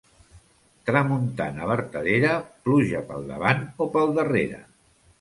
Tramuntana vertadera, pluja pel davant o pel darrere.